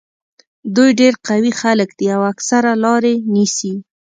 دوی ډېر قوي خلک دي او اکثره لارې نیسي.